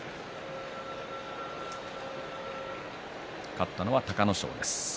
勝ったのは隆の勝です。